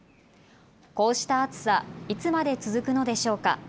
こうした暑さ、いつまで続くのでしょうか。